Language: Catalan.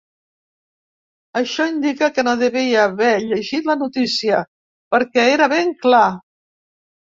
Això indica que no devia haver llegit la notícia, perquè era ben clar.